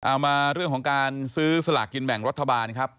มาเรื่องของการซื้อสลากกินแบ่งรัฐบาลครับ